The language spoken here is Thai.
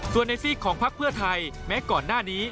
ส่วนในซีกของพักเพื่อไทยแม้ก่อนหน้านี้